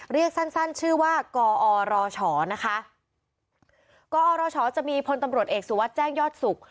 เรียกสั้นสั้นชื่อว่ากอรชนะคะกอรชจะมีพลตำรวจเอกสุวัสดิ์แจ้งยอดศุกร์